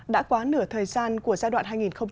đã quá nửa thời gian của giai đoạn